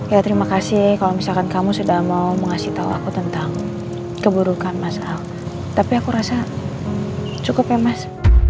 ya terima kasih kalau misalkan kamu sudah mau mengasih tahu aku tentang keburukan mas ahok tapi aku rasa cukup ya mas